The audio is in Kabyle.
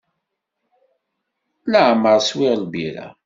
Leɛmer swiɣ lbirra.